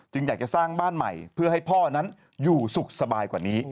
อยากจะสร้างบ้านใหม่เพื่อให้พ่อนั้นอยู่สุขสบายกว่านี้